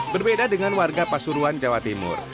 berbeda dengan warga pasuruan jawa timur